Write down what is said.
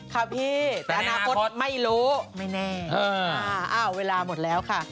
ค่ะพี่แต่อนาคตไม่รู้ไม่แน่อ้าวเวลาหมดแล้วค่ะ